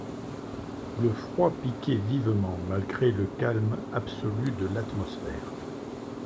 Le froid piquait vivement malgré le calme absolu de l’atmosphère.